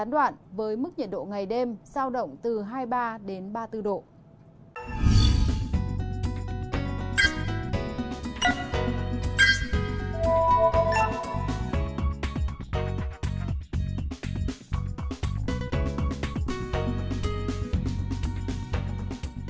nền nhiệt độ sao động từ hai mươi ba đến ba mươi bốn độ có nắng nhiều mưa nếu có chỉ xảy ra vài nơi vào lúc chiều tối với lượng không đáng kể